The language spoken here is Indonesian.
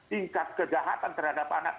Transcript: tingkat kejahatan terhadap anak